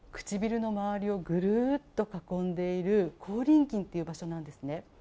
唇の周りをぐるーっと囲んでいる口輪筋という場所なんですね。